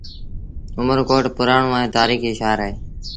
اُمر ڪوٽ پُرآڻو ائيٚݩ تآريٚکي شآهر اهي